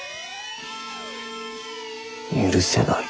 許せない。